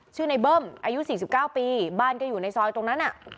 ชื่อในเบิ้มอายุ๔๙ปีบ้านก็อยู่ในซอยตรงนั้น